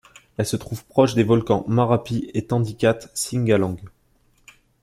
Elle se trouve proche des volcans Marapi et Tandikat-Singgalang.